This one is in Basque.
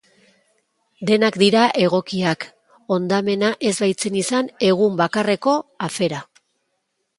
Denak dira egokiak, hondamena ez baitzen izan egun bakarreko afera.